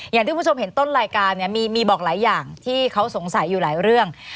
อย่างที่คุณผู้ชมเห็นต้นรายการเนี่ยมีบอกหลายอย่างที่เขาสงสัยอยู่หลายเรื่อง